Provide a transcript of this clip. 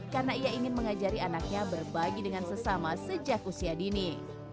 karena ia ingin mengajari anaknya berbagi dengan sesama sejak usia dini